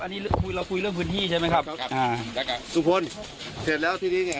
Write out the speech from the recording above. อันนี้เราคุยเรื่องพื้นที่ใช่ไหมครับครับอ่าลูกคนเสร็จแล้วที่นี้เนี่ย